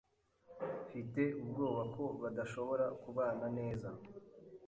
Mfite ubwoba ko badashobora kubana neza.